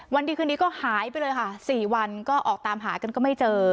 ดีคืนนี้ก็หายไปเลยค่ะ๔วันก็ออกตามหากันก็ไม่เจอ